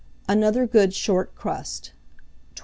ANOTHER GOOD SHORT CRUST. 1211.